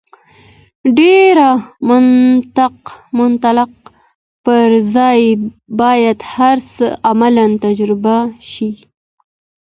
ډېر منطق پر ځای باید هر څه عملاً تجربه شي.